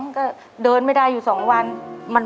ก็เดินไม่ได้อยู่๒วัน